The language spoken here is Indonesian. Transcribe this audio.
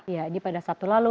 ya ini pada sabtu lalu